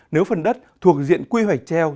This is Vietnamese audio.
nếu phần đất thuộc diện quy hoạch treo